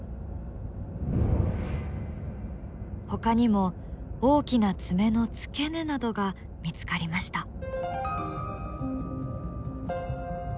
ほかにも大きな爪の付け根などが見つかりました。